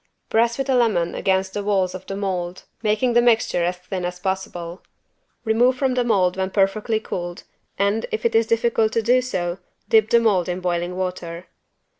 Press with a lemon against the walls of the mold, making the mixture as thin as possible. Remove from the mold when perfectly cooled and, if it is difficult to do so, dip the mold in boiling water.